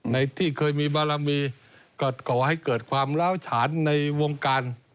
ในที่เคยมีบารมีก็ก่อให้เกิดความล้าวฉานในวงการ